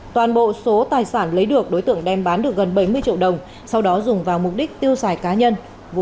toàn bộ số tài sản lấy được đối tượng đem bán được gần bảy mươi triệu đồng sau đó dùng vào mục đích tiêu xài cá nhân